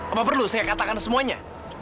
apa perlu saya katakan semuanya